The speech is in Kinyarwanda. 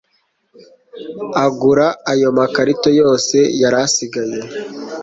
agura ayo makarito yose yari asigaye